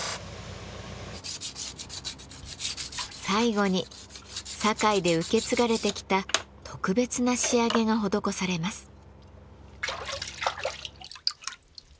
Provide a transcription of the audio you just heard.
最後に堺で受け継がれてきた特別な仕上げが施されます。